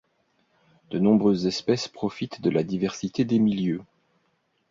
De nombreuses espèces profitent de la diversité des milieux.